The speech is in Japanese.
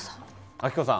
暁子さん。